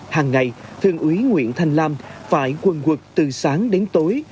hàng ngày thường ủy nguyễn thanh lam phải quần quật từ sáng đến tối